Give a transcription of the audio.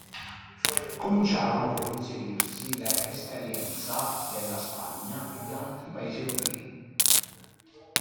Cominciarono, poi, ad inserirsi le esperienza della Spagna e di altri paesi europei.